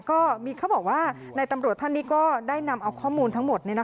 เขาบอกว่าในตำรวจท่านนี้ก็ได้นำเอาข้อมูลทั้งหมด